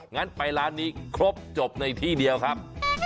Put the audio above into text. งั้นไปร้านนี้ครบจบในที่เดียวครับ